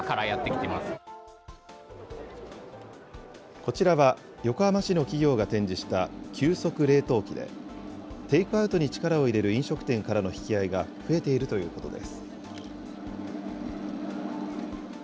こちらは横浜市の企業が展示した急速冷凍機で、テイクアウトに力を入れる飲食店からの引き合いが増えているということです。